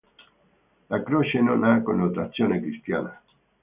La croce non ha connotazione cristiana.